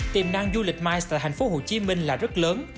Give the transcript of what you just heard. tiềm năng du lịch mice tại hồ chí minh là rất lớn